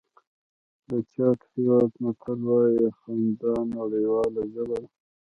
د چاډ هېواد متل وایي خندا نړیواله ژبه ده.